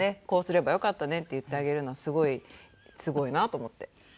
こうすればよかったねって言ってあげるのはすごいすごいなと思って。